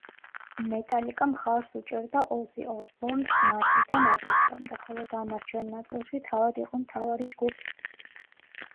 მეტალიკა მხარს უჭერდა ოზი ოსბორნს მარტიდან აგვისტომდე, ხოლო დანარჩენ ნაწილში თავად იყო მთავარი ჯგუფი.